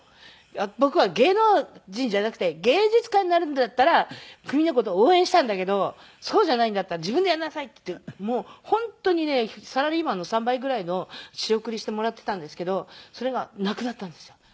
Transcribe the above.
「僕は芸能人じゃなくて芸術家になるんだったらクミの事応援したんだけどそうじゃないんだったら自分でやりなさい」って言って本当にねサラリーマンの３倍ぐらいの仕送りしてもらっていたんですけどそれがなくなったんですよ。